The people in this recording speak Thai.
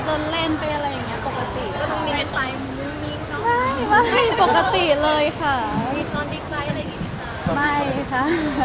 ชวนไปออกคลิปย้างได้บ้างกับเขาไหมน่ะ